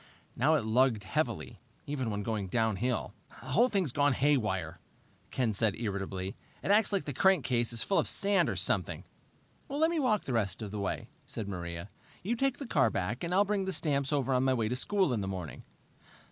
Now it lugged heavily, even when going downhill. "The whole thing's haywire," Ken said irritably. "It acts like the crankcase is full of sand or something." "Let me walk the rest of the way," said Maria. "You take the car back, and I'll bring the stamps over on my way to school in the morning."